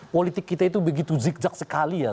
politik kita itu begitu zigzag sekali ya